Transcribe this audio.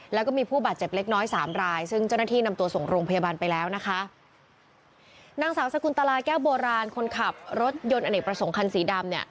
แล้วก็มีผู้บาดเจ็บเล็กน้อยสามรายซึ่งเจ้าหน้าที่นำตัวส่งโรงพยาบาลไปแล้วนะคะนางสาวสกุลตลาแก้วโบราณคนขับรถยนต์อเนกประสงค์คันสีดำเนี่ย